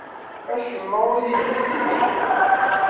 Acemma ur yelli din.